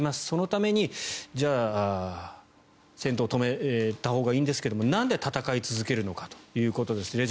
そのためにじゃあ戦闘を止めたほうがいいんですがなんで戦い続けるのかということです。